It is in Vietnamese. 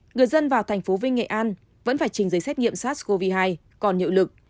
người dân vào thành phố vinh nghệ an vẫn phải trình giấy xét nghiệm sars cov hai còn hiệu lực